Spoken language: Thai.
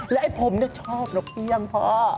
และไอ้ผมชอบนกเอี่ยงพ่อ